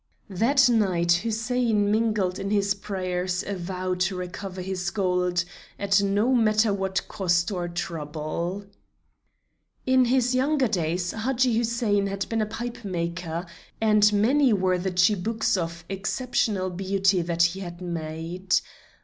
That night Hussein mingled in his prayers a vow to recover his gold at no matter what cost or trouble. In his younger days Hadji Hussein had been a pipe maker, and many were the chibooks of exceptional beauty that he had made.